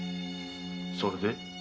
それで？